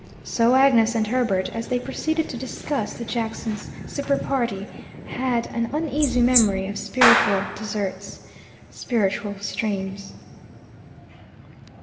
So Agnes and Herbert, as they proceeded to discuss the Jackson's supper party, had an uneasy memory of spiritual deserts, spiritual streams.